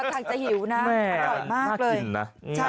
ถ้าค่อยจะหิวนะอร่อยมากเลยใช่ค่ะมากกินนะ